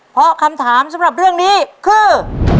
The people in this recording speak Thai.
เพราะคำถามสำหรับเรื่องนี้คือ